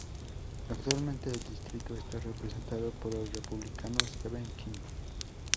Actualmente el distrito está representado por el Republicano Steve King.